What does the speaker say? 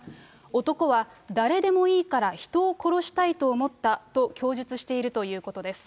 男は、誰でもいいから人を殺したいと思ったと供述しているということです。